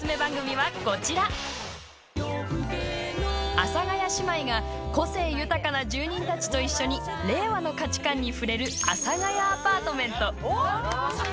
阿佐ヶ谷姉妹が個性豊かな住人たちと一緒に令和の価値観に触れる「阿佐ヶ谷アパートメント」。